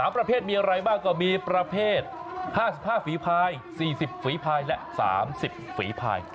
ประเภทมีอะไรบ้างก็มีประเภท๕๕ฝีภาย๔๐ฝีภายและ๓๐ฝีภาย